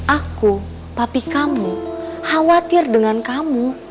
aku tapi kamu khawatir dengan kamu